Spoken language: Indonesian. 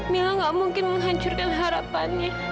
mila gak mungkin menghancurkan harapannya